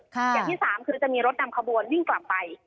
อย่างที่สามคือจะมีรถนำขบวนวิ่งกลับไป